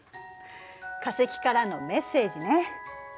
化石からのメッセージね。